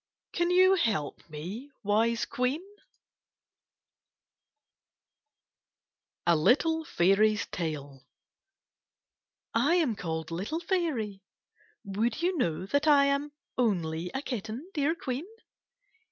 Can you help me, wise Queen? 60 KITTBTifS AND OATS A LITTLE FAIRY'S TALE I am called Little Fairy. Would you know that I am only a kitten, dear Queen?